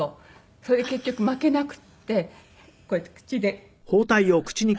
それで結局巻けなくてこうやって口でこう。